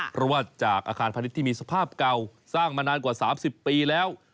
เพราะว่าจากอาคารพาณิชย์ที่มีสภาพเก่าสร้างมานานกว่า๓๐ปีแล้ว